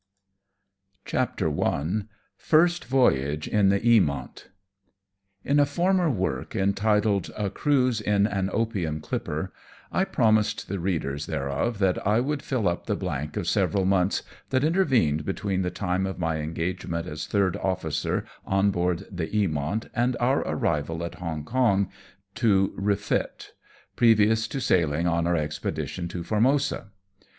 CHAPTER I. FIRST VOYAGE IN THE " EAMONT." In a former work, entitled "A Cruise in an Opium Clipper/' I promised the readers thereof that I would fill up the blank of several months that intervened between the time of my engagement as third officer on board the Eamont and our arrival at Hong Kong to refit, previous to sailing on our expedition to Formosa.